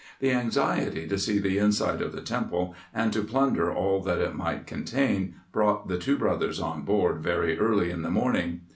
The anxiety to see the inside of the temple, and to plunder all that it might contain, brought the two brothers on board very early in the morning.